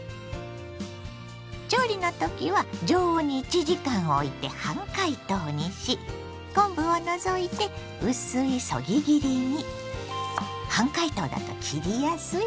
調理の時は常温に１時間おいて半解凍にし昆布を除いて薄いそぎ切りに。